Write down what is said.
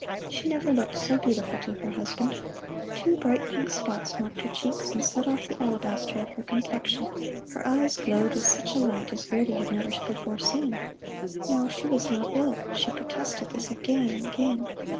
She never looked so beautiful to her husband. Two bright pink spots marked her cheeks, and set off the alabaster of her complexion. Her eyes glowed with such a light as Verdi had never before seen. No, she was not ill she protested this again and again.